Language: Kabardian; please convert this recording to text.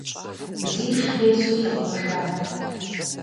Зиш тесу лъыхъуэжа.